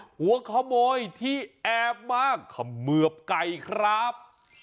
หัวขโมยที่แอบมาเขมือบไก่ครับ